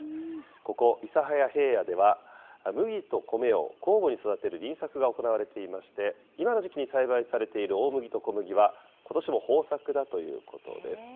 ここ、諫早平野では、麦と米を交互に育てる輪作が行われていまして、今の時期に栽培されている大麦と小麦は、ことしも豊作だということです。